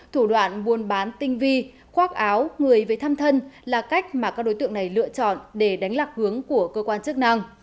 thủ đoạn buôn bán tinh vi khoác áo người về thăm thân là cách mà các đối tượng này lựa chọn để đánh lạc hướng của cơ quan chức năng